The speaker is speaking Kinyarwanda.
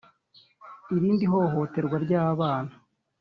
irindi hohoterwa ry’abana: